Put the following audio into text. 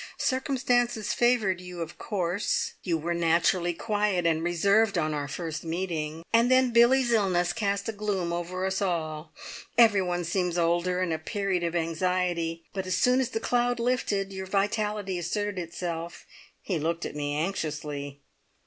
Circumstances favoured you, of course! You were naturally quiet and reserved on our first meeting, and then Billy's illness cast a gloom over us all. Every one seems older in a period of anxiety; but as soon as the cloud lifted your vitality asserted itself." He looked at me anxiously.